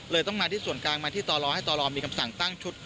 ต้องมาที่ส่วนกลางมาที่ต่อรอให้ตรมีคำสั่งตั้งชุด